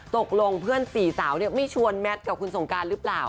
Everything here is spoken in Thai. ตกลงเพื่อนสี่สาวไม่ชวนแมทกับคุณสงการหรือเปล่า